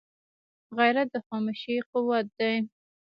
غیرت د خاموشۍ قوت دی